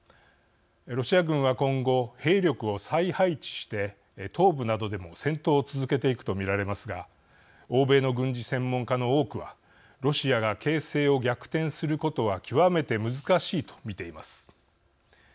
ロシア軍は今後兵力を再配置して東部などでも戦闘を続けていくと見られますが欧米の軍事専門家の多くはロシアが形勢を逆転することは極めて難しいと見ています。